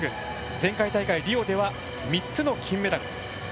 前回大会リオでは３つの金メダル。